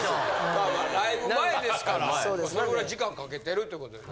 まあまあライブ前ですからそれぐらい時間かけてるってことです。